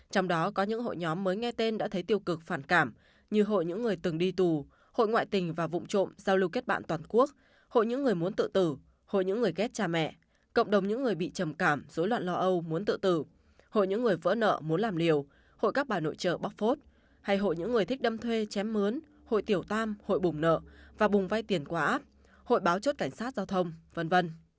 trong đó có những hội nhóm mới nghe tên đã thấy tiêu cực phản cảm như hội những người từng đi tù hội ngoại tình và vụn trộm giao lưu kết bạn toàn quốc hội những người muốn tự tử hội những người ghét cha mẹ cộng đồng những người bị trầm cảm dối loạn lo âu muốn tự tử hội những người vỡ nợ muốn làm liều hội các bà nội trợ bóc phốt hay hội những người thích đâm thuê chém mướn hội tiểu tam hội bùng nợ và bùng vai tiền quả hội báo chốt cảnh sát giao thông v v